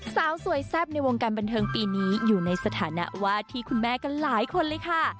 สาวสวยแซ่บในวงการบันเทิงปีนี้อยู่ในสถานะวาดที่คุณแม่กันหลายคนเลยค่ะ